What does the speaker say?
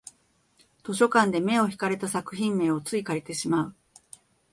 図書館で目を引かれた作品名をつい借りてしまう